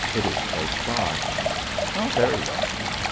It is close by." "Very well."